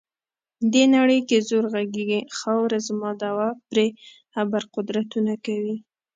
دې نړۍ کې زور غږیږي، خاوره زما دعوه پرې ابر قدرتونه کوي.